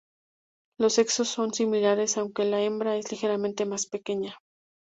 Los sexos son similares, aunque la hembra es ligeramente más pequeña.